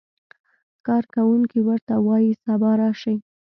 کارکوونکی ورته وایي سبا راشئ.